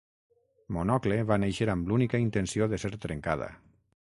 Monocle va néixer amb l'única intenció de ser trencada.